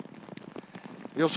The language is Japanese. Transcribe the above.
予想